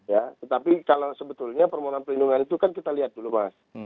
ya tetapi kalau sebetulnya permohonan perlindungan itu kan kita lihat dulu mas